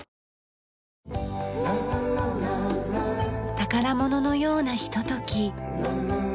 宝物のようなひととき。